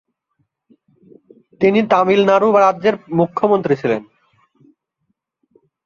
তিনি তামিলনাড়ু রাজ্যের মুখ্যমন্ত্রী ছিলেন।